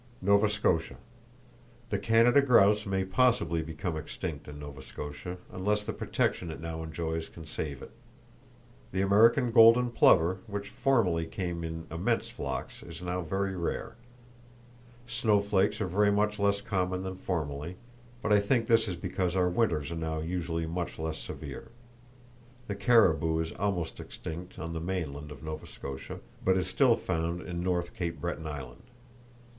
Nova Scotia: The Canada grouse may possibly become extinct in Nova Scotia, unless the protection it now enjoys can save it. The American golden plover, which formerly came in immense flocks, is now very rare. Snowflakes are very much less common than formerly, but I think this is because our winters are now usually much less severe. The caribou is almost extinct on the mainland of Nova Scotia, but is still found in North Cape Breton Island.